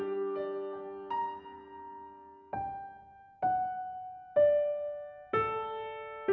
อิทธิภัณฑ์